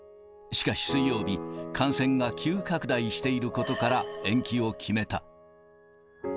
しかし水曜日、感染が急拡大していることから、延期を決めた。